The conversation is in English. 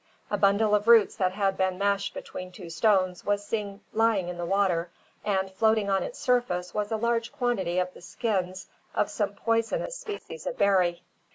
A bundle of roots that had been mashed between two stones was seen lying in the water, and floating on its surface was a large quantity of the skins of some poisonous species of berry.